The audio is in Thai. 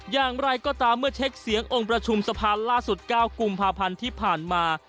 อย่างไรก็ตามเมื่อเช็คเสียงองค์ประชุมสะพานล่าสุด๙กุมภาพันธ์ที่ผ่านมา